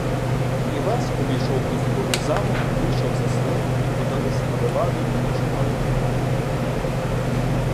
Івась обійшов довкруги замок, вийшли за село і подались на леваду, де ночували коні.